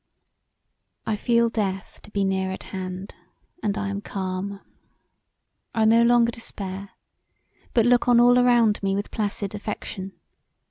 I feel death to be near at hand and I am calm. I no longer despair, but look on all around me with placid affection.